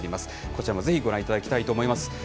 こちらもぜひ、ご覧いただきたいと思います。